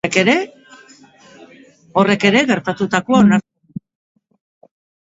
Horrek ere gertatutakoa onartzen du.